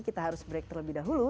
kita harus break terlebih dahulu